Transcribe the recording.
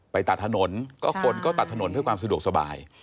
ตัดถนนก็คนก็ตัดถนนเพื่อความสะดวกสบาย